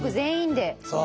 そう！